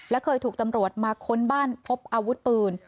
และเคยถูกตำรวจมาค้นบ้านพบอาวุธปืน